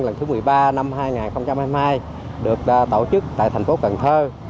lần thứ một mươi ba năm hai nghìn hai mươi được tổ chức tại thành phố cần thơ